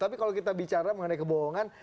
tapi kalau kita bicara mengenai kebohongan